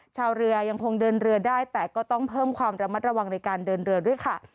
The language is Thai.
ชาวเรือยังคงเดินเรือได้แต่ก็ต้องเพิ่มความระมัดระวังในการเดินเรือด้วยค่ะ